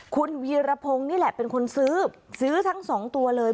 คุณวีรพงศ์นี่แหละเป็นคนซื้อซื้อทั้งสองตัวเลย